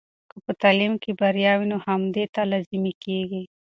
که په تعلیم کې بریا وي، نو همدې ته لازمي کیږي.